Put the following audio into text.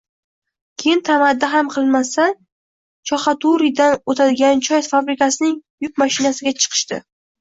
Keyin tamaddi ham qilmasdan Choxatauridan oʻtadigan choy fabrikasining yuk mashinasiga chiqishdi